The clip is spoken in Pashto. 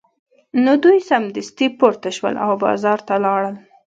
نو دوی سمدستي پورته شول او بازار ته لاړل